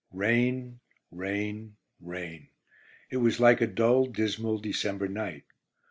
Rain, rain, rain. It was like a dull, dismal December night.